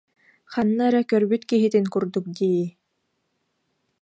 Ханна эрэ көрбүт киһитин курдук дии